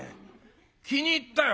気に入ったよ。